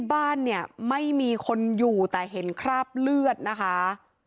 บ้านเนี่ยไม่มีคนอยู่แต่เห็นคราบเลือดนะคะ